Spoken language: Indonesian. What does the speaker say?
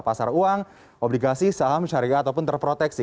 pasar uang obligasi saham syariah ataupun terproteksi